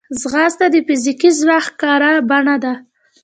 ځغاسته د فزیکي ځواک ښکاره بڼه ده